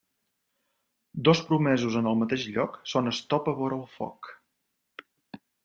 Dos promesos en el mateix lloc són estopa vora el foc.